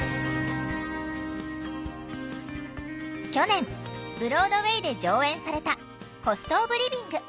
去年ブロードウェイで上演された「コスト・オブ・リビング」。